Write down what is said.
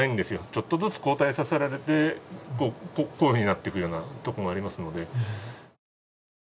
ちょっとずつ後退させられて、こういうふうになっていくようなところがありますので。